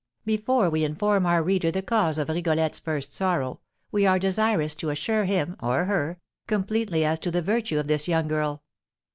Before we inform our reader the cause of Rigolette's first sorrow, we are desirous to assure him, or her, completely as to the virtue of this young girl.